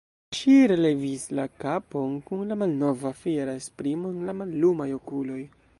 Ŝi relevis la kapon kun la malnova fiera esprimo en la mallumaj okuloj.